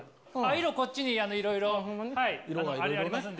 色こっちにいろいろありますんで。